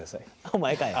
お前かい。